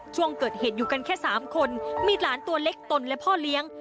ช่วงเกิดเหตุอยู่กันแค่๓คนมีหลานตัวเล็กตนและพ่อเลี้ยง